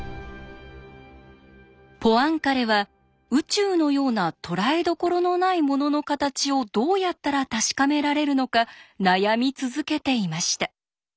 ポアンカレは宇宙のようなとらえどころのないものの形をどうやったら確かめられるのか悩み続けていました。